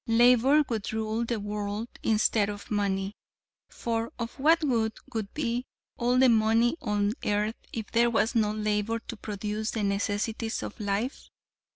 Labor would rule the world instead of money. For of what good would be all the money on earth if there was no labor to produce the necessities of life?